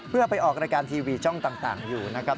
เพื่อไปออกรายการทีวีช่องต่างอยู่นะครับ